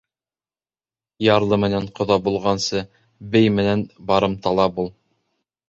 Ярлы менән ҡоҙа булғансы, бей менән барымтала бул.